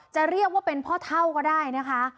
จะเรียกว่าเป็นพ่อเท่าก็ได้นะคะ